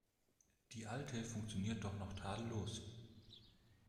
Die alte funktioniert doch noch tadellos.